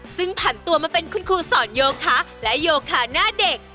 ซึ่งผ่านตัวมาเป็นคุณครูสอนโยคะและโยคะหน้าเด็ก